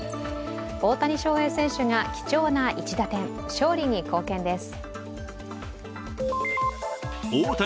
大谷翔平選手が貴重な一打点、勝利に貢献です。